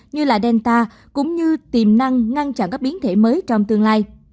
như là delta cũng như tiềm năng ngăn chặn các biến thể mới trong tương lai